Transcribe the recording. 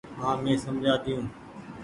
هآنٚ مينٚ سمجهآ ۮيو